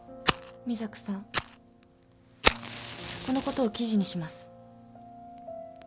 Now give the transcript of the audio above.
このことを記事にします。